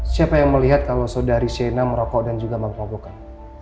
siapa yang melihat kalau saudari shena merokok dan juga mengkelompokkan